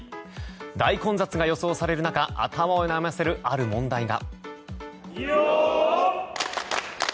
大混雑が予想される中頭を悩ませるある問題が。